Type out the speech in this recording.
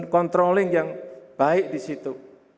controlling yang baik di situ